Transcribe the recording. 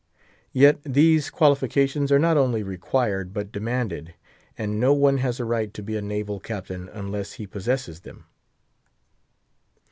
Yet these qualifications are not only required, but demanded; and no one has a right to be a naval captain unless he possesses them.